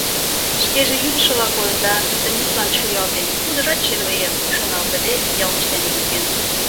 Шкеже йӱдышыла койын да Тынислан шуялтен, тудыжат, черле еҥ, шоналтыде йылмыж дене тӱкен.